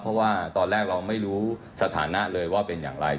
เพราะว่าตอนแรกเราไม่รู้สถานะเลยว่าเป็นอย่างไร